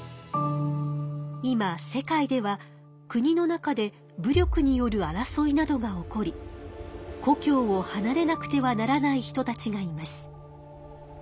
今世界では国の中で武力による争いなどが起こり故きょうをはなれなくてはならない人たちがいます。